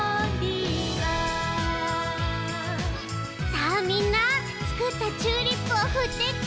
さあみんなつくったチューリップをふってち。